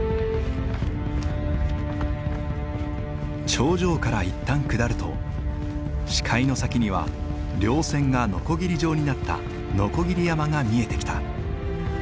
頂上から一旦下ると視界の先には稜線がのこぎり状になった鋸山が見えてきた。